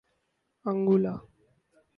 Angola